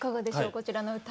こちらの歌。